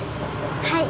はい。